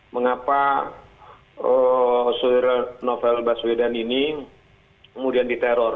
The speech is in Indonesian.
mengapa novel baswedan ini kemudian diteror